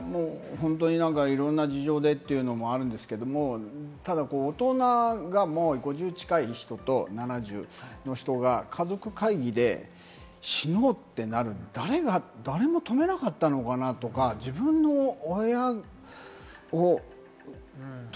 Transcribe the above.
いろんな事情でというのもあるんですけれども、ただ大人が５０歳近い人と７０歳の人が家族会議で、死のうってなる、誰も止めなかったのかな？とか、自分の親を。